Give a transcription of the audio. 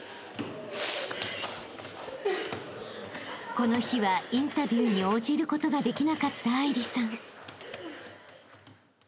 ［この日はインタビューに応じることができなかった愛梨さん］